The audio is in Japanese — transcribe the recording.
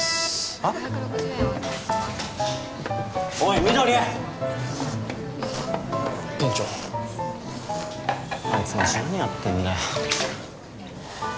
あいつマジ何やってんだよ。